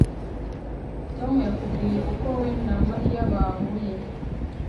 Tom yakubwiye uko we na Mariya bahuye